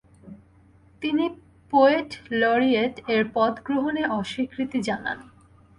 তিনি পোয়েট লরিয়েট-এর পদ গ্রহণে অস্বীকৃতি জানান।